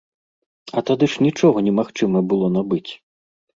А тады ж нічога не магчыма было набыць.